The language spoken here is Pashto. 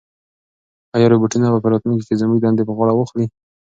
ایا روبوټونه به په راتلونکي کې زموږ دندې په غاړه واخلي؟